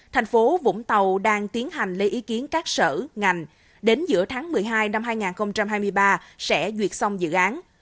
thành phố vũng tàu đang tiến hành lấy ý kiến các sở ngành đến giữa tháng một mươi hai năm hai nghìn hai mươi ba sẽ duyệt xong dự án